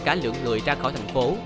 cả lượng người ra khỏi thành phố